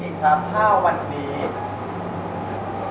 สวัสดีครับผมชื่อสามารถชานุบาลชื่อเล่นว่าขิงถ่ายหนังสุ่นแห่ง